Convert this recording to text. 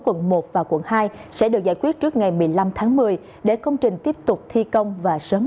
quận một và quận hai sẽ được giải quyết trước ngày một mươi năm tháng một mươi để công trình tiếp tục thi công và sớm